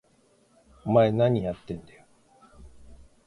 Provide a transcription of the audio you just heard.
お前、なにやってんだよ！？